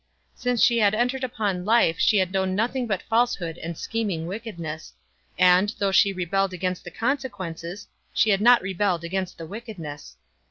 Since she had entered upon life she had known nothing but falsehood and scheming wickedness; and, though she rebelled against the consequences, she had not rebelled against the wickedness.